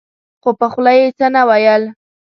خو په خوله يې څه نه ويل.